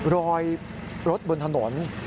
รอยรถบนถนน